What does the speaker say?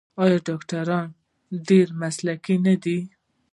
آیا ډاکټران یې ډیر مسلکي نه دي؟